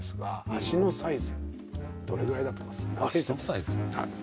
足のサイズ？